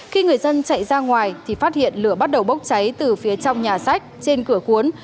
khi người dân chạy ra ngoài thì phát hiện lửa bắt đầu bốc cháy từ phía trong nhà sách trên cửa cuốn